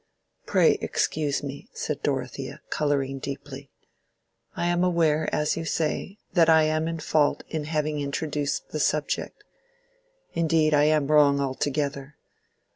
"Pray excuse me," said Dorothea, coloring deeply. "I am aware, as you say, that I am in fault in having introduced the subject. Indeed, I am wrong altogether.